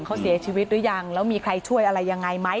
เขาเสียชีวิตหรือยังแล้วมีใครช่วยอะไรยังไงไหม